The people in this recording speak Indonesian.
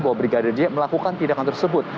bahwa brigadir j melakukan tindakan tersebut